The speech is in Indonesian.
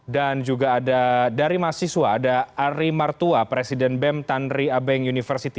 dan juga ada dari mahasiswa ada ari martua presiden bem tanri abeng university